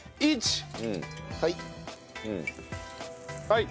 はい。